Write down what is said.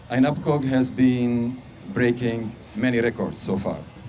ainapcog telah membuat banyak rekoran sejauh ini